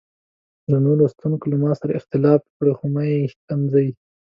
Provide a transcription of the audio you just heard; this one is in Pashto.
درنو لوستونکو له ما سره اختلاف وکړئ خو مه مې ښکنځئ.